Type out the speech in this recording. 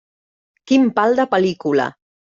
Quin pal de pel·lícula.